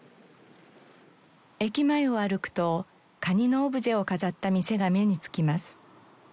駅前を歩くとカニのオブジェを飾った店が目に付きます。